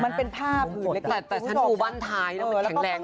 มันเป็นผ้าผืนเล็กแต่ฉันดูบ้านท้ายแล้วมันแข็งแรง